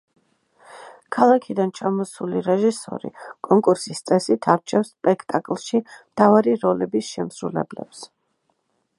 ქალაქიდან ჩამოსული რეჟისორი კონკურსის წესით არჩევს სპექტაკლში მთავარი როლების შემსრულებლებს.